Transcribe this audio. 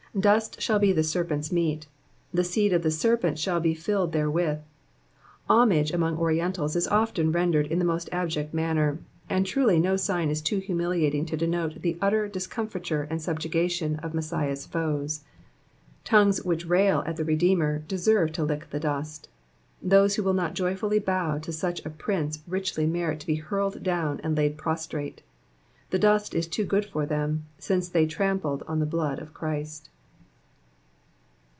Dust shall be the serpent's meat ; the seed of the serpent shall be tilled therewith. Homage among Orientals is often rendered in the most abject manner, and truly no sign is too humiliating to denote the utter discomtiture and subjugation of Messiah's foes. Tongues which rail at the Redeemer deserve to lick the dust. Those who will not joyfully bow to such a prince richly merit to be hurled down and laid prostrate ; the dust is too good for them, since they trampled on the blood of Christ.